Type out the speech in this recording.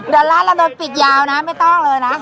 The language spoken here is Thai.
เดี๋ยวร้านเราโดนปิดยาวนะไม่ต้องเลยนะ